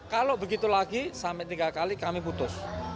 kalau begitu lagi sampai tiga kali kami putus